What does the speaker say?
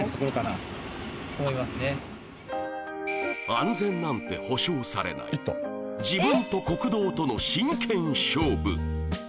安全なんて保証されない自分と酷道との真剣勝負